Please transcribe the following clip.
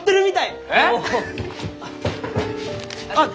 あっ！